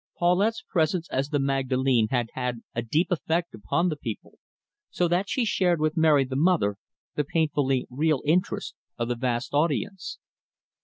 Paulette's presence as the Magdalene had had a deep effect upon the people, so that she shared with Mary the Mother the painfully real interest of the vast audience.